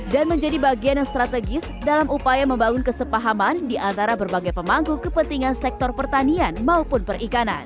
dan menjadi bagian yang strategis dalam upaya membangun kesepahaman diantara berbagai pemangku kepentingan sektor pertanian maupun perikanan